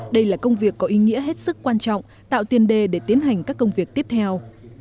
đây là công việc có ý nghĩa hết sức quan trọng tạo tiền đề để tiến hành các công việc tiếp theo